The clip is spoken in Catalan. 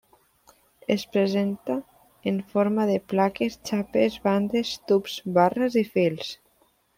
Es presenta en forma de plaques, xapes, bandes, tubs, barres i fils.